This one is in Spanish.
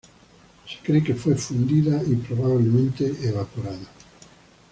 Se cree que fue fundida y probablemente, evaporada.